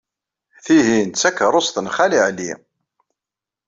Tihin d takeṛṛust n Xali Ɛli.